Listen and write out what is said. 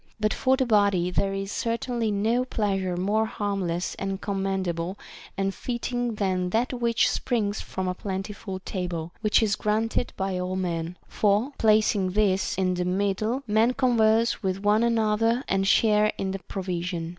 But for the body, there is certainly no pleasure more harmless and commendable and fitting than that which springs from a plentiful table, — which is granted by all men ; for, placing this in the mid die, men converse with one another and share in the pro vision.